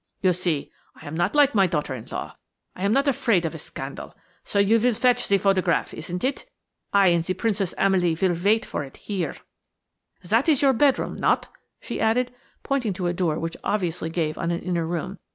You see, I am not like my daughter in law; I am not afraid of a scandal. So you vill fetch ze photograph–isn't it? I and ze Princess Amalie vill vait for it here. Zat is your bedroom–not?" she added, pointing to a door which obviously gave on an inner room.